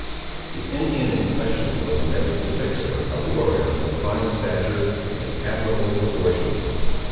The Indian in question was in every particular a warrior of fine stature and admirable proportions.